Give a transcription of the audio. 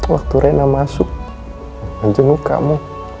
waktu rena masuk menjenguk kamu